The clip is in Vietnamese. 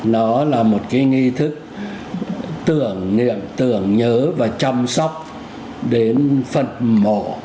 nó là một cái nghi thức tưởng nhớ và chăm sóc đến phần mộ